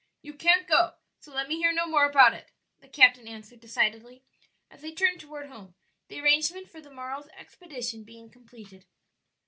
"You can't go, so let me hear no more about it," the captain answered decidedly as they turned toward home, the arrangements for the morrow's expedition being completed.